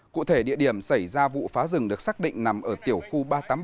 cụ thể địa điểm xảy ra vụ phá rừng được xác định nằm ở tiểu khu ba trăm tám mươi bảy ba trăm tám mươi tám